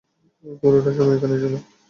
ও পুরোটা সময় এখানেই ছিল।